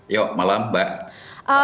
yuk malam mbak